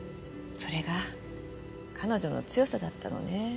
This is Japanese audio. それが彼女の強さだったのね。